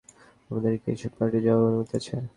আমাদের কি এসব পার্টিতে যাওয়ার অনুমতি আছে?